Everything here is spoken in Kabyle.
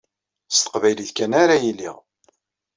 S teqbaylit kan ara yiliɣ.